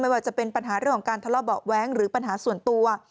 ว่าจะเป็นปัญหาเรื่องของการทะเลาะเบาะแว้งหรือปัญหาส่วนตัว